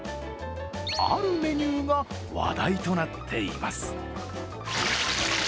あるメニューが話題となっています。